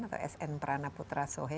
atau sn pranaputra sohe